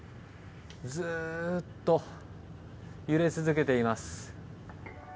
ずっと揺れ続けています。